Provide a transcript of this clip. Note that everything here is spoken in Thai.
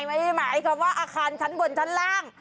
ไม่ได้หมายความว่าอาคารชั้นบนชั้นล่าง